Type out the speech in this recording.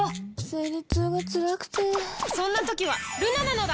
生理痛がつらくてそんな時はルナなのだ！